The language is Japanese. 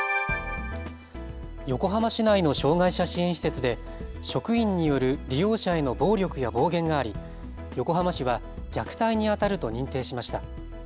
横浜市内の障害者支援施設で職員による利用者への暴力や暴言があり横浜市は虐待にあたると認定しました。